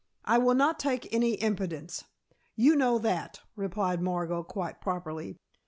I will not take any impudence. You know that," replied Margot quite properly.